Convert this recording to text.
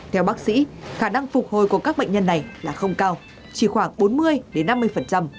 theo bác sĩ khả năng phục hồi của các bệnh nhân này là không cao chỉ khoảng bốn mươi đến năm mươi